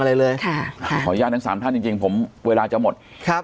อะไรเลยค่ะค่ะขออนุญาตทั้งสามท่านจริงจริงผมเวลาจะหมดครับ